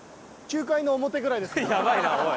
やばいなおい。